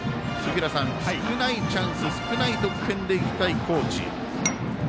少ないチャンス少ない得点でいきたい高知。